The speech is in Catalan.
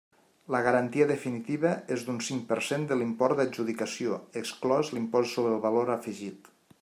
La garantia definitiva és d'un cinc per cent de l'import d'adjudicació, exclòs l'Impost sobre el Valor Afegit.